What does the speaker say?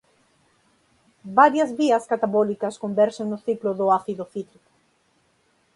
Varias vías catabólicas converxen no ciclo do ácido cítrico.